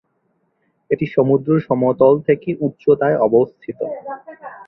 এটি সমুদ্র সমতল থেকে উচ্চতায় অবস্থিত।